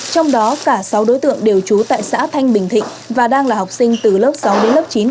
trong đó cả sáu đối tượng đều trú tại xã thanh bình thịnh và đang là học sinh từ lớp sáu đến lớp chín